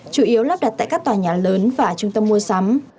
chủ yếu lắp đặt tại các tòa nhà lớn và trung tâm mua sắm